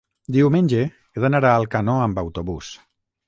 diumenge he d'anar a Alcanó amb autobús.